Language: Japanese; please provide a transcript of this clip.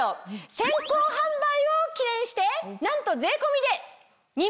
先行販売を記念してなんと税込みで。